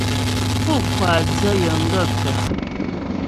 Pú ŋkwáa dzə́ yəŋ gaə̂kə̀ ?